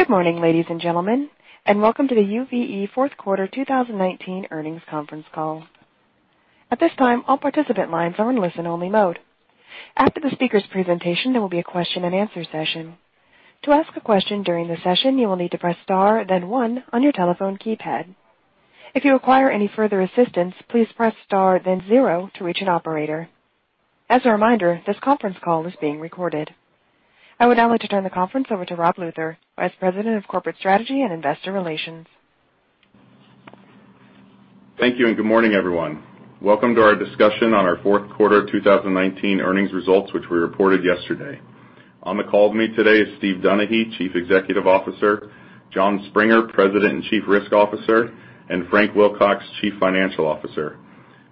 Good morning, ladies and gentlemen, and welcome to the UVE fourth quarter 2019 earnings conference call. At this time, all participant lines are in listen-only mode. After the speakers' presentation, there will be a question and answer session. To ask a question during the session, you will need to press star then one on your telephone keypad. If you require any further assistance, please press star then zero to reach an operator. As a reminder, this conference call is being recorded. I would now like to turn the conference over to Rob Luther, Vice President of Corporate Strategy and Investor Relations. Thank you, and good morning, everyone. Welcome to our discussion on our fourth quarter 2019 earnings results, which we reported yesterday. On the call with me today is Steve Donaghy, Chief Executive Officer, Jon Springer, President and Chief Risk Officer, and Frank Wilcox, Chief Financial Officer.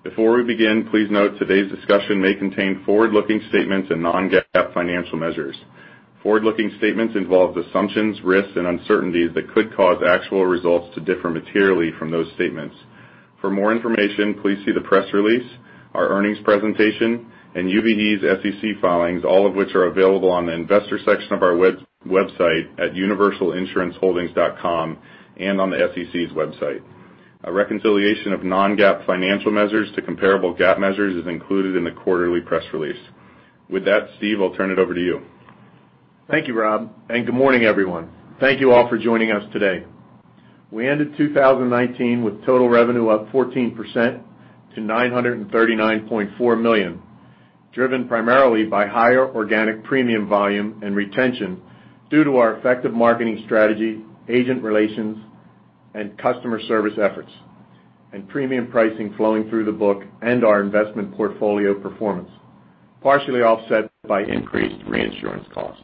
Before we begin, please note today's discussion may contain forward-looking statements and non-GAAP financial measures. Forward-looking statements involve assumptions, risks, and uncertainties that could cause actual results to differ materially from those statements. For more information, please see the press release, our earnings presentation, and UVE's SEC filings, all of which are available on the investor section of our website at universalinsuranceholdings.com and on the SEC's website. A reconciliation of non-GAAP financial measures to comparable GAAP measures is included in the quarterly press release. With that, Steve, I'll turn it over to you. Thank you, Rob, and good morning, everyone. Thank you all for joining us today. We ended 2019 with total revenue up 14% to $939.4 million, driven primarily by higher organic premium volume and retention due to our effective marketing strategy, agent relations, and customer service efforts, and premium pricing flowing through the book and our investment portfolio performance, partially offset by increased reinsurance costs.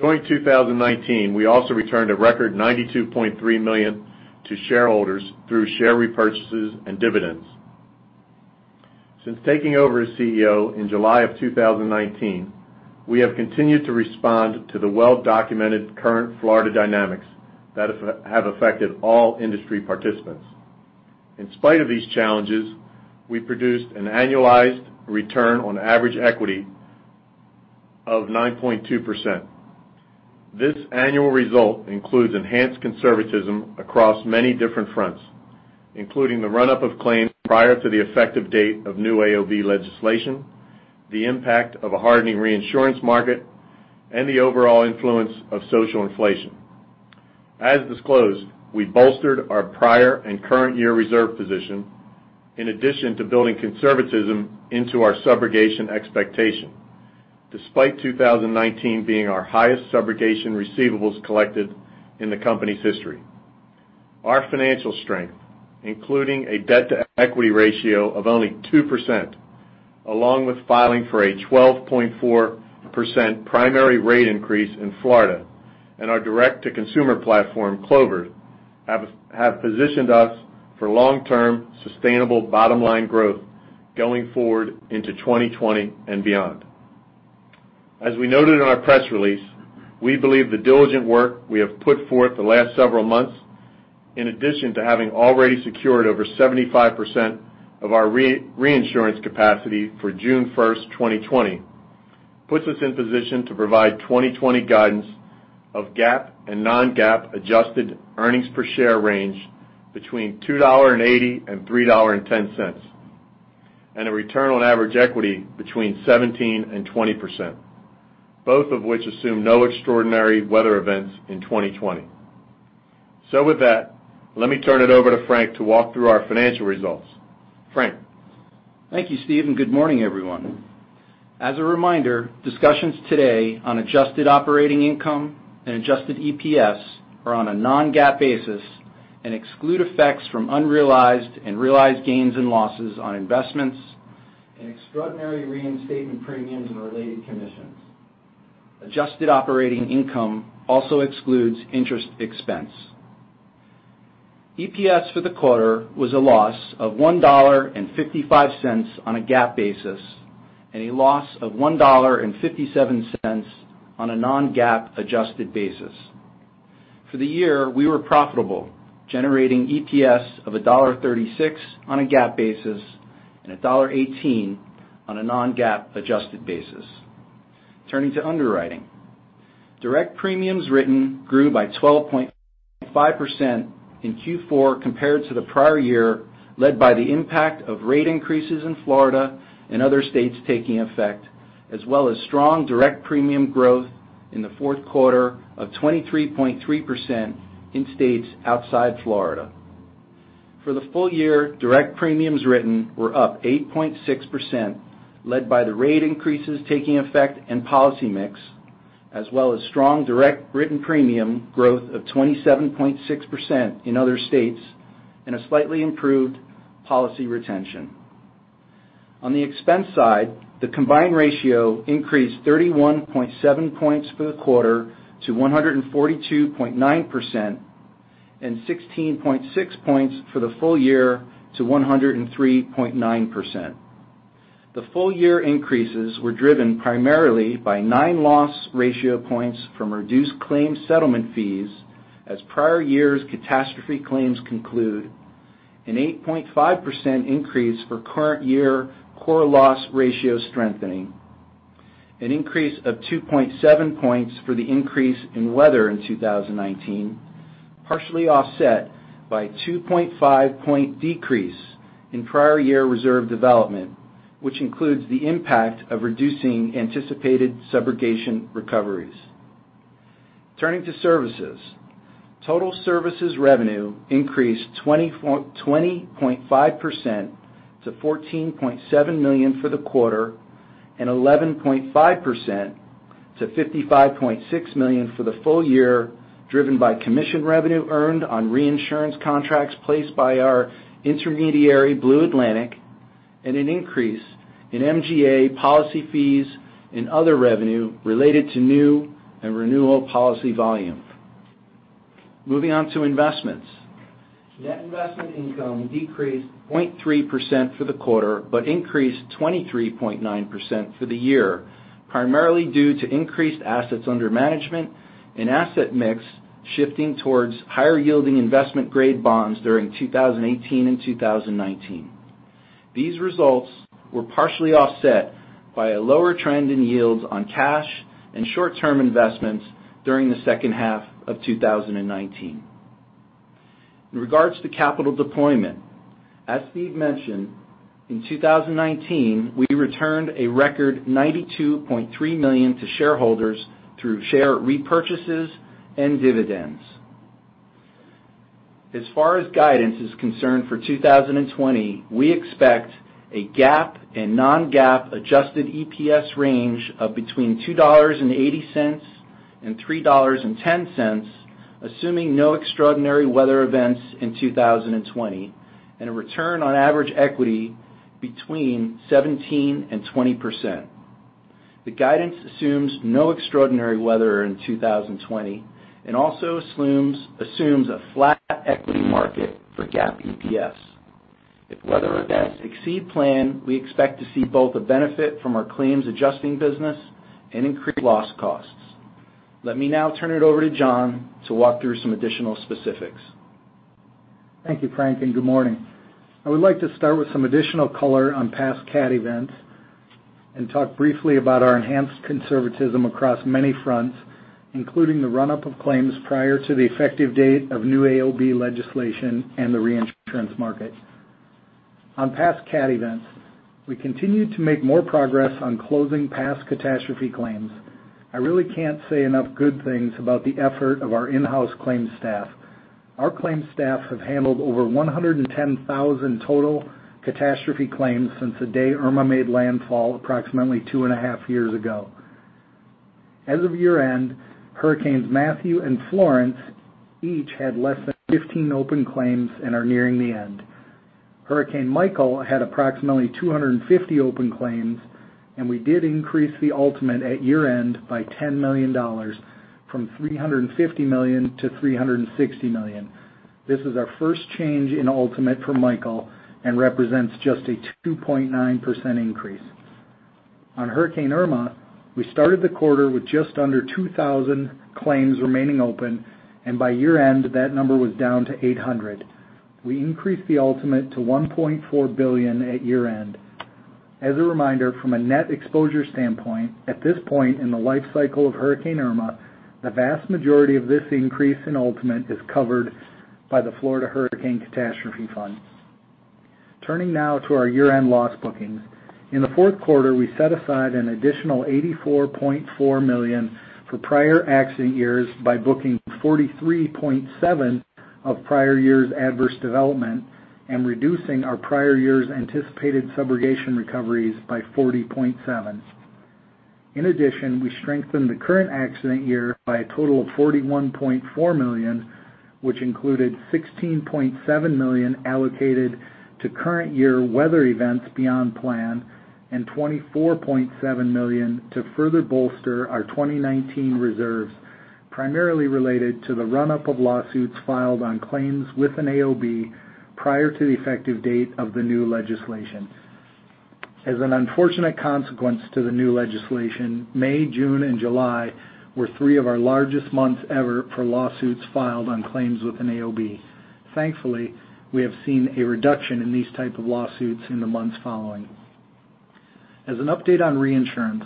During 2019, we also returned a record $92.3 million to shareholders through share repurchases and dividends. Since taking over as CEO in July of 2019, we have continued to respond to the well-documented current Florida dynamics that have affected all industry participants. In spite of these challenges, we produced an annualized return on average equity of 9.2%. This annual result includes enhanced conservatism across many different fronts, including the run-up of claims prior to the effective date of new AOB legislation, the impact of a hardening reinsurance market, and the overall influence of social inflation. As disclosed, we bolstered our prior and current year reserve position in addition to building conservatism into our subrogation expectation, despite 2019 being our highest subrogation receivables collected in the company's history. Our financial strength, including a debt-to-equity ratio of only 2%, along with filing for a 12.4% primary rate increase in Florida and our direct-to-consumer platform, Clovered, have positioned us for long-term, sustainable bottom-line growth going forward into 2020 and beyond. As we noted in our press release, we believe the diligent work we have put forth the last several months, in addition to having already secured over 75% of our reinsurance capacity for June 1st, 2020, puts us in position to provide 2020 guidance of GAAP and non-GAAP adjusted earnings per share range between $2.80 and $3.10, and a return on average equity between 17% and 20%, both of which assume no extraordinary weather events in 2020. With that, let me turn it over to Frank to walk through our financial results. Frank? Thank you, Steve, and good morning, everyone. As a reminder, discussions today on adjusted operating income and adjusted EPS are on a non-GAAP basis and exclude effects from unrealized and realized gains and losses on investments and extraordinary reinstatement premiums and related commissions. Adjusted operating income also excludes interest expense. EPS for the quarter was a loss of $1.55 on a GAAP basis and a loss of $1.57 on a non-GAAP adjusted basis. For the year, we were profitable, generating EPS of $1.36 on a GAAP basis and $1.18 on a non-GAAP adjusted basis. Turning to underwriting. Direct premiums written grew by 12.5% in Q4 compared to the prior year, led by the impact of rate increases in Florida and other states taking effect, as well as strong direct premium growth in the fourth quarter of 23.3% in states outside Florida. For the full year, direct premiums written were up 8.6%, led by the rate increases taking effect and policy mix, as well as strong direct written premium growth of 27.6% in other states and a slightly improved policy retention. On the expense side, the combined ratio increased 31.7 points for the quarter to 142.9% and 16.6 points for the full year to 103.9%. The full-year increases were driven primarily by 9 loss ratio points from reduced claim settlement fees as prior years' catastrophe claims conclude. An 8.5% increase for current year core loss ratio strengthening. An increase of 2.7 points for the increase in weather in 2019, partially offset by 2.5 points decrease in prior year reserve development, which includes the impact of reducing anticipated subrogation recoveries. Turning to services. Total services revenue increased 20.5% to $14.7 million for the quarter and 11.5% to $55.6 million for the full year, driven by commission revenue earned on reinsurance contracts placed by our intermediary, Blue Atlantic, and an increase in MGA policy fees and other revenue related to new and renewal policy volume. Moving on to investments. Net investment income decreased 0.3% for the quarter, but increased 23.9% for the year, primarily due to increased assets under management and asset mix shifting towards higher yielding investment grade bonds during 2018 and 2019. These results were partially offset by a lower trend in yields on cash and short-term investments during the second half of 2019. In regards to capital deployment, as Steve mentioned, in 2019, we returned a record $92.3 million to shareholders through share repurchases and dividends. As far as guidance is concerned for 2020, we expect a GAAP and non-GAAP adjusted EPS range of between $2.80 and $3.10, assuming no extraordinary weather events in 2020, and a return on average equity between 17% and 20%. The guidance assumes no extraordinary weather in 2020 and also assumes a flat equity market for GAAP EPS. If weather events exceed plan, we expect to see both the benefit from our claims adjusting business and increased loss costs. Let me now turn it over to Jon to walk through some additional specifics. Thank you, Frank, and good morning. I would like to start with some additional color on past cat events and talk briefly about our enhanced conservatism across many fronts, including the run-up of claims prior to the effective date of new AOB legislation and the reinsurance market. On past cat events, we continue to make more progress on closing past catastrophe claims. I really can't say enough good things about the effort of our in-house claims staff. Our claims staff have handled over 110,000 total catastrophe claims since the day Irma made landfall approximately two and a half years ago. As of year-end, hurricanes Matthew and Florence each had less than 15 open claims and are nearing the end. Hurricane Michael had approximately 250 open claims, and we did increase the ultimate at year-end by $10 million, from $350 million to $360 million. This is our first change in ultimate for Michael and represents just a 2.9% increase. On Hurricane Irma, we started the quarter with just under 2,000 claims remaining open, and by year-end, that number was down to 800. We increased the ultimate to $1.4 billion at year-end. As a reminder, from a net exposure standpoint, at this point in the life cycle of Hurricane Irma, the vast majority of this increase in ultimate is covered by the Florida Hurricane Catastrophe Fund. Turning now to our year-end loss bookings. In the fourth quarter, we set aside an additional $84.4 million for prior accident years by booking $43.7 million of prior year's adverse development and reducing our prior year's anticipated subrogation recoveries by $40.7 million. In addition, we strengthened the current accident year by a total of $41.4 million, which included $16.7 million allocated to current year weather events beyond plan and $24.7 million to further bolster our 2019 reserves, primarily related to the run-up of lawsuits filed on claims with an AOB prior to the effective date of the new legislation. As an unfortunate consequence to the new legislation, May, June, and July were three of our largest months ever for lawsuits filed on claims with an AOB. Thankfully, we have seen a reduction in these type of lawsuits in the months following. As an update on reinsurance,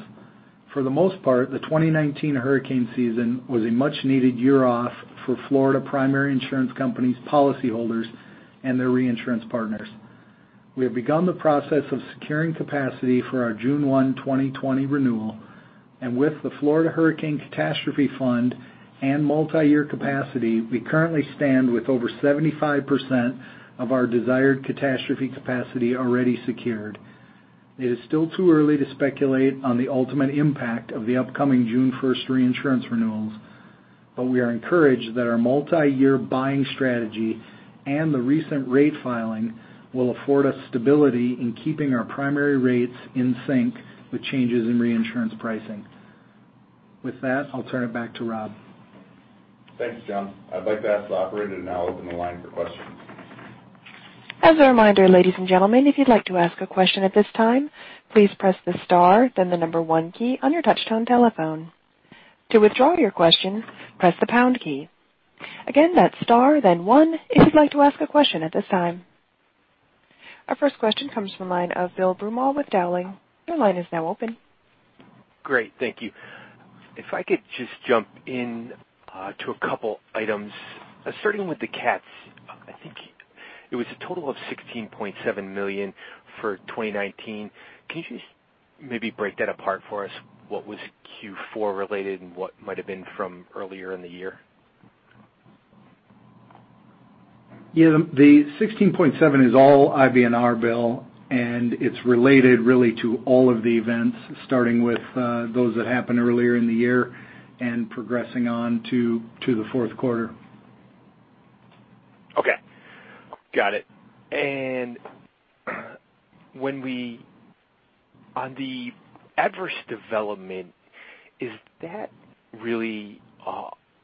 for the most part, the 2019 hurricane season was a much needed year off for Florida primary insurance companies' policyholders and their reinsurance partners. We have begun the process of securing capacity for our June 1, 2020 renewal, and with the Florida Hurricane Catastrophe Fund and multi-year capacity, we currently stand with over 75% of our desired catastrophe capacity already secured. It is still too early to speculate on the ultimate impact of the upcoming June 1st reinsurance renewals, but we are encouraged that our multi-year buying strategy and the recent rate filing will afford us stability in keeping our primary rates in sync with changes in reinsurance pricing. With that, I'll turn it back to Rob. Thanks, Jon. I'd like to ask the operator to now open the line for questions. As a reminder, ladies and gentlemen, if you'd like to ask a question at this time, please press the star, then the number 1 key on your touchtone telephone. To withdraw your question, press the pound key. Again, that's star then 1 if you'd like to ask a question at this time. Our first question comes from the line of Bill Brewbaker with Dowling. Your line is now open. Great. Thank you. If I could just jump in to a couple items, starting with the CATs. I think it was a total of $16.7 million for 2019. Can you just maybe break that apart for us? What was Q4 related and what might've been from earlier in the year? Yeah, the $16.7 is all IBNR, Bill, and it's related really to all of the events, starting with those that happened earlier in the year and progressing on to the fourth quarter. Okay. Got it. On the adverse development, is that really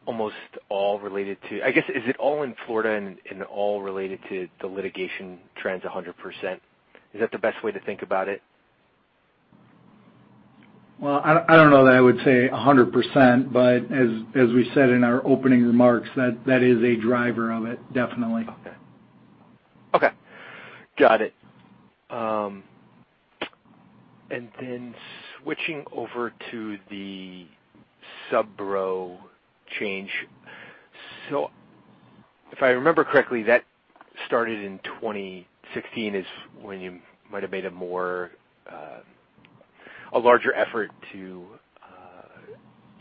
almost all related to I guess, is it all in Florida and all related to the litigation trends 100%? Is that the best way to think about it? Well, I don't know that I would say 100%, but as we said in our opening remarks, that is a driver of it, definitely. Okay. Got it. Then switching over to the subro change. If I remember correctly, that started in 2016 is when you might've made a larger effort to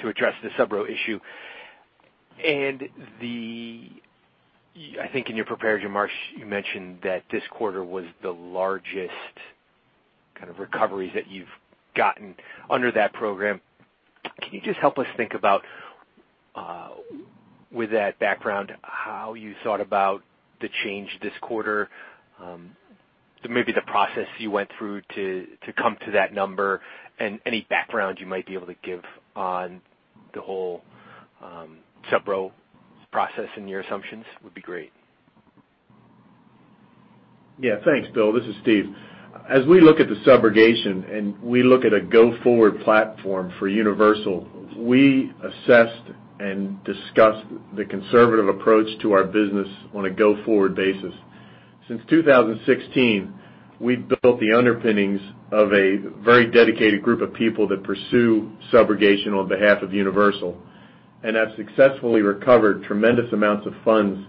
address the subro issue. I think in your prepared remarks, you mentioned that this quarter was the largest kind of recoveries that you've gotten under that program. Can you just help us think about, with that background, how you thought about the change this quarter? Maybe the process you went through to come to that number and any background you might be able to give on the whole subro process and your assumptions would be great. Thanks, Bill. This is Steve. As we look at the subrogation and we look at a go-forward platform for Universal, we assessed and discussed the conservative approach to our business on a go-forward basis. Since 2016, we've built the underpinnings of a very dedicated group of people that pursue subrogation on behalf of Universal and have successfully recovered tremendous amounts of funds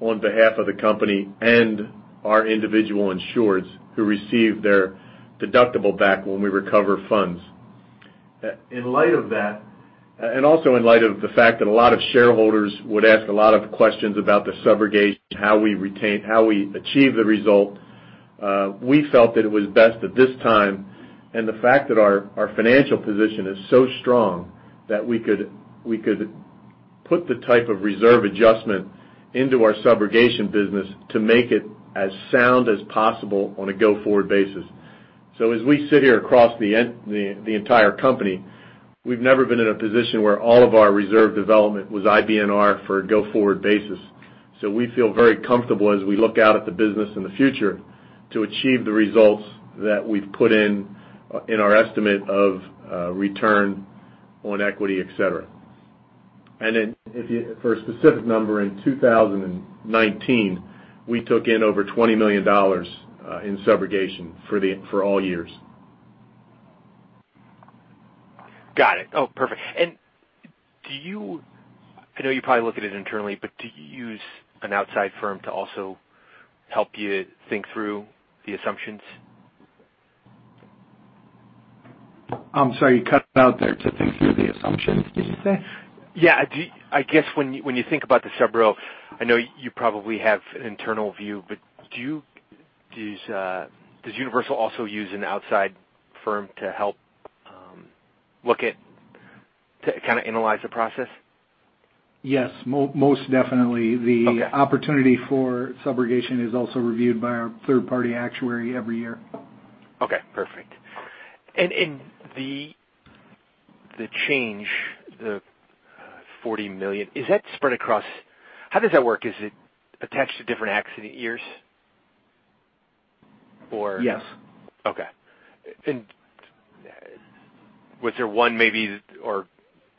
on behalf of the company and our individual insureds who receive their deductible back when we recover funds. In light of that, in light of the fact that a lot of shareholders would ask a lot of questions about the subrogation, how we achieve the result, we felt that it was best at this time, and the fact that our financial position is so strong, that we could put the type of reserve adjustment into our subrogation business to make it as sound as possible on a go-forward basis. As we sit here across the entire company, we've never been in a position where all of our reserve development was IBNR for a go-forward basis. We feel very comfortable as we look out at the business in the future to achieve the results that we've put in our estimate of return on equity, et cetera. For a specific number, in 2019, we took in over $20 million in subrogation for all years. Got it. Oh, perfect. I know you probably look at it internally, but do you use an outside firm to also help you think through the assumptions? I'm sorry, you cut out there. To think through the assumptions, did you say? I guess when you think about the subrogation, I know you probably have an internal view, but does Universal also use an outside firm to help look at, to kind of analyze the process? Yes, most definitely. Okay. The opportunity for subrogation is also reviewed by our third-party actuary every year. Okay, perfect. The change, the $40 million, is that spread? How does that work? Is it attached to different accident years? Yes. Okay. Was there one maybe or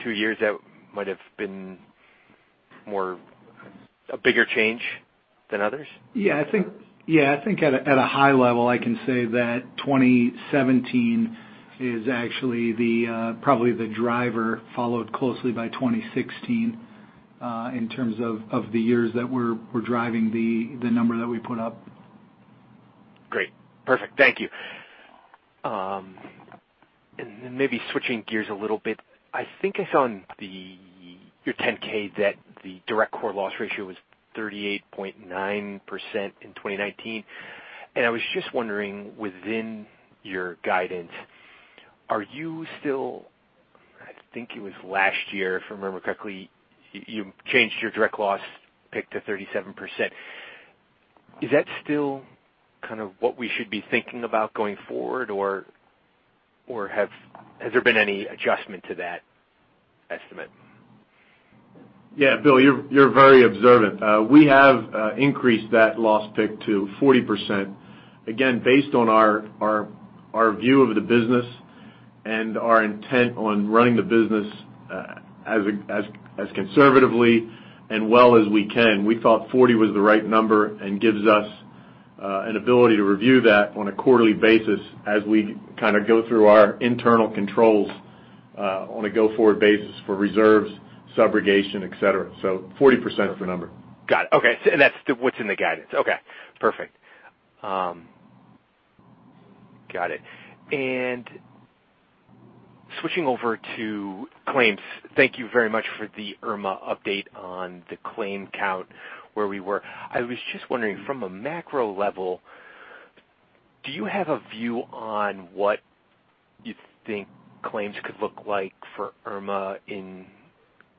two years that might have been a bigger change than others? I think at a high level, I can say that 2017 is actually probably the driver, followed closely by 2016, in terms of the years that were driving the number that we put up. Great. Perfect. Thank you. Then maybe switching gears a little bit. I think I saw on your 10-K that the direct core loss ratio was 38.9% in 2019. I was just wondering, within your guidance, are you still-- I think it was last year, if I remember correctly, you changed your direct loss pick to 37%. Is that still kind of what we should be thinking about going forward, or has there been any adjustment to that estimate? Bill, you're very observant. We have increased that loss pick to 40%. Again, based on our view of the business and our intent on running the business as conservatively and well as we can. We thought 40 was the right number and gives us an ability to review that on a quarterly basis as we go through our internal controls on a go-forward basis for reserves, subrogation, et cetera. 40% is the number. Got it. Okay. That's what's in the guidance. Okay, perfect. Got it. Switching over to claims, thank you very much for the Irma update on the claim count where we were. I was just wondering, from a macro level, do you have a view on what you think claims could look like for Irma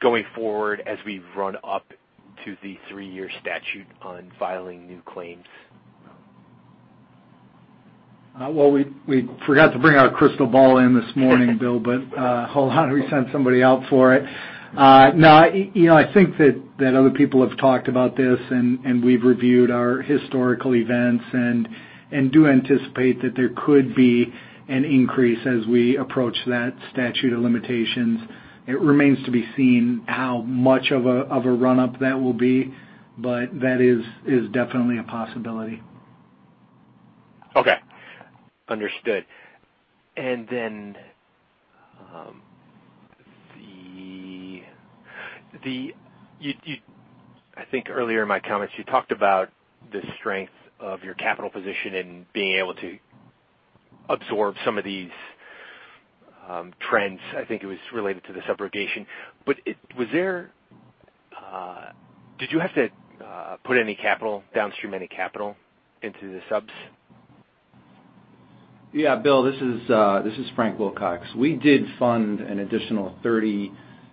going forward as we run up to the three-year statute on filing new claims? Well, we forgot to bring our crystal ball in this morning, Bill. Hold on, we sent somebody out for it. No, I think that other people have talked about this, and we've reviewed our historical events and do anticipate that there could be an increase as we approach that statute of limitations. It remains to be seen how much of a run-up that will be, that is definitely a possibility. Okay. Understood. Then, I think earlier in my comments, you talked about the strength of your capital position and being able to absorb some of these trends, I think it was related to the subrogation. Did you have to put any capital downstream, any capital into the subs? Yeah, Bill, this is Frank Wilcox. We did fund an additional $30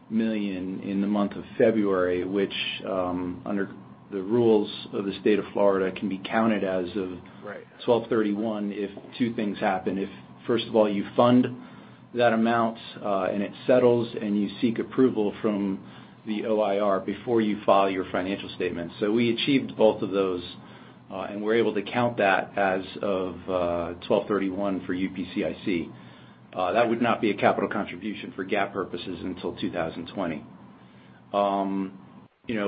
million in the month of February, which, under the rules of the state of Florida, can be counted as of- Right 12/31 if two things happen. First of all, you fund that amount, and it settles, and you seek approval from the OIR before you file your financial statement. We achieved both of those, and we're able to count that as of 12/31 for UPCIC. That would not be a capital contribution for GAAP purposes until 2020.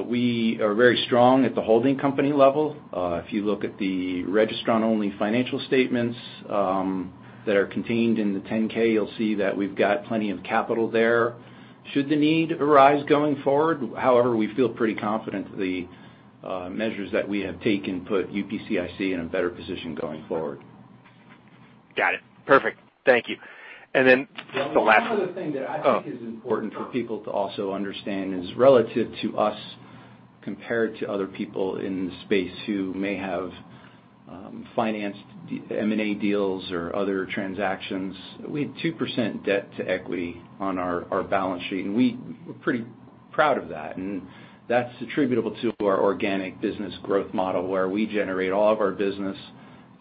We are very strong at the holding company level. If you look at the registrant-only financial statements that are contained in the 10-K, you'll see that we've got plenty of capital there should the need arise going forward. However, we feel pretty confident the measures that we have taken put UPCIC in a better position going forward. Got it. Perfect. Thank you. Then the last- One other thing that I think is important for people to also understand is relative to us compared to other people in the space who may have financed M&A deals or other transactions, we had 2% debt-to-equity on our balance sheet, and we're pretty proud of that. That's attributable to our organic business growth model where we generate all of our business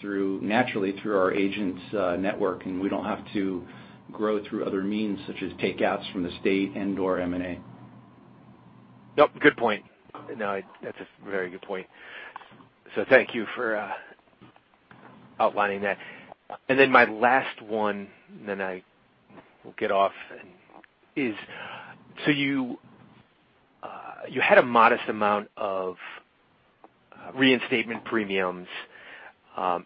naturally through our agents' network, and we don't have to grow through other means, such as takeouts from the state and/or M&A. Yep, good point. No, that's a very good point. Thank you for outlining that. Then my last one, then I will get off. You had a modest amount of reinstatement premiums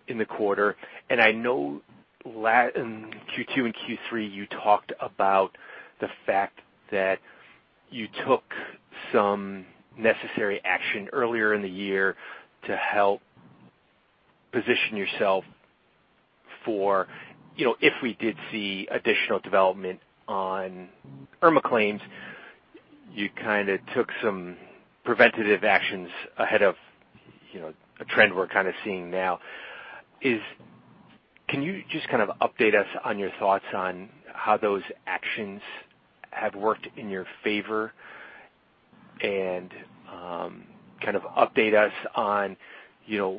in the quarter. I know in Q2 and Q3, you talked about the fact that you took some necessary action earlier in the year to help position yourself for if we did see additional development on Irma claims, you kind of took some preventative actions ahead of a trend we're kind of seeing now. Can you just kind of update us on your thoughts on how those actions have worked in your favor, and kind of update us on there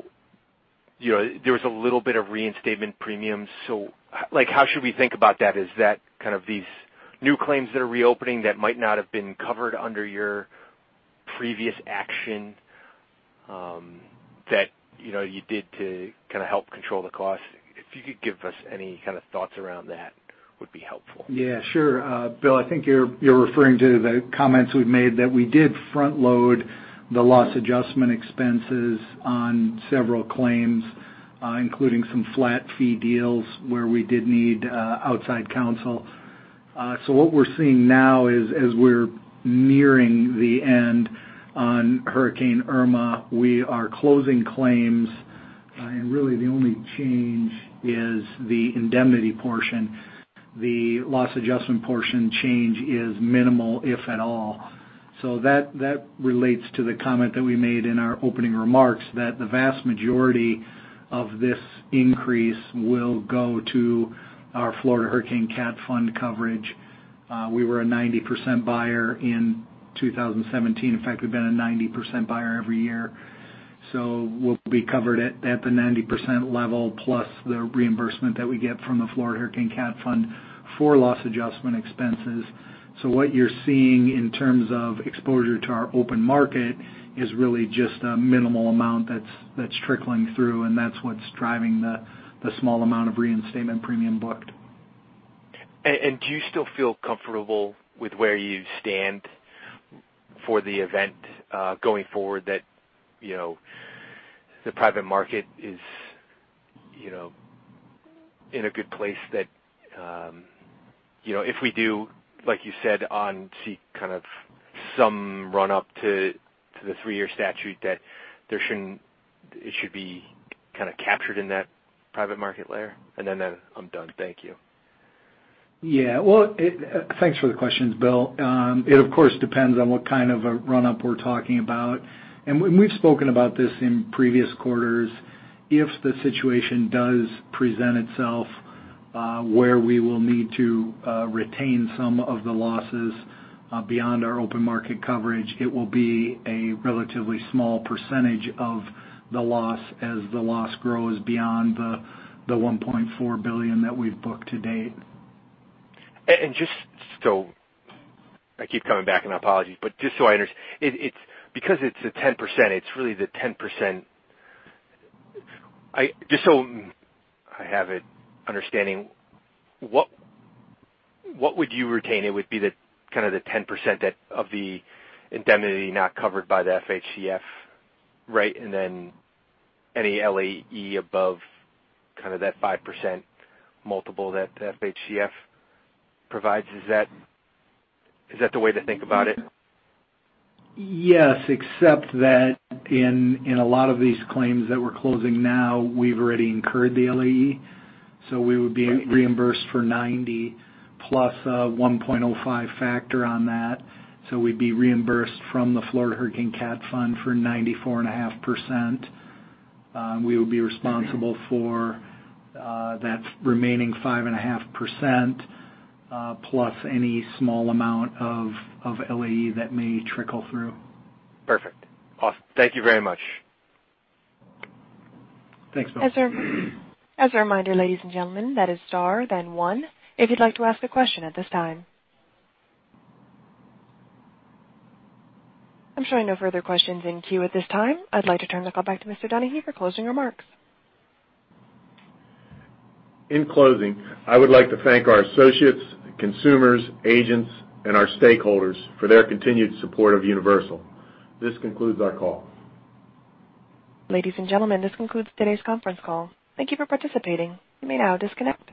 was a little bit of reinstatement premiums? How should we think about that? Is that kind of these new claims that are reopening that might not have been covered under your previous action that you did to kind of help control the cost? If you could give us any kind of thoughts around that would be helpful. Yeah, sure. Bill, I think you're referring to the comments we've made that we did front load the loss adjustment expenses on several claims, including some flat fee deals where we did need outside counsel. What we're seeing now is, as we're nearing the end on Hurricane Irma, we are closing claims, and really the only change is the indemnity portion. The loss adjustment portion change is minimal, if at all. That relates to the comment that we made in our opening remarks that the vast majority of this increase will go to our Florida Hurricane Catastrophe Fund coverage. We were a 90% buyer in 2017. In fact, we've been a 90% buyer every year. We'll be covered at the 90% level, plus the reimbursement that we get from the Florida Hurricane Catastrophe Fund for loss adjustment expenses. What you're seeing in terms of exposure to our open market is really just a minimal amount that's trickling through, and that's what's driving the small amount of reinstatement premiums booked. Do you still feel comfortable with where you stand for the event going forward, that the private market is in a good place, that if we do, like you said, on seek kind of some run up to the three-year statute, that it should be kind of captured in that private market layer? I'm done. Thank you. Well, thanks for the questions, Bill Brewbaker. It, of course, depends on what kind of a run-up we're talking about. We've spoken about this in previous quarters. If the situation does present itself where we will need to retain some of the losses beyond our open market coverage, it will be a relatively small percentage of the loss as the loss grows beyond the $1.4 billion that we've booked to date. I keep coming back, and apologies, but just so I understand, because it's a 10%, what would you retain? It would be kind of the 10% of the indemnity not covered by the FHCF, right? Then any LAE above kind of that 5% multiple that FHCF provides. Is that the way to think about it? Yes, except that in a lot of these claims that we're closing now, we've already incurred the LAE, we would be reimbursed for 90 plus a 1.05 factor on that. We'd be reimbursed from the Florida Hurricane Cat Fund for 94.5%. We would be responsible for that remaining 5.5% plus any small amount of LAE that may trickle through. Perfect. Awesome. Thank you very much. Thanks, Bill. As a reminder, ladies and gentlemen, that is star, then one if you'd like to ask a question at this time. I'm showing no further questions in queue at this time. I'd like to turn the call back to Mr. Donaghy for closing remarks. In closing, I would like to thank our associates, consumers, agents, and our stakeholders for their continued support of Universal. This concludes our call. Ladies and gentlemen, this concludes today's conference call. Thank you for participating. You may now disconnect.